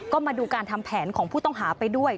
ก็มาดูการทำแผนของผู้ต้องหาไปด้วย